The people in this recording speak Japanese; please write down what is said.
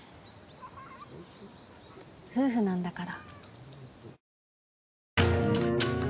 夫婦なんだから。